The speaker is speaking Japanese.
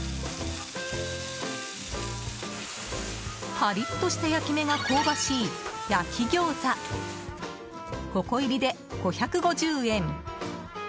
パリッとした焼き目が香ばしい焼き餃子５個入りで５５０円。